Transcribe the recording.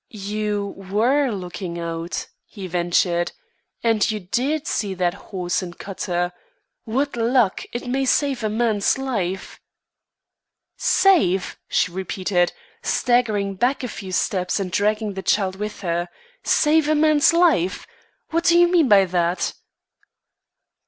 "You were looking out," he ventured. "And you did see that horse and cutter. What luck! It may save a man's life." "Save!" she repeated, staggering back a few steps and dragging the child with her. "Save a man's life! What do you mean by that?"